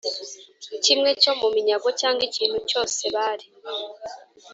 kimwe cyo mu minyago cyangwa ikintu cyose bari